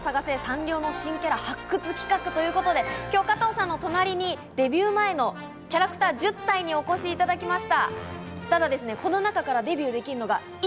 サンリオの新スター発掘企画ということで加藤さんの横にデビュー前のキャラクター１０体にお越しいただきました。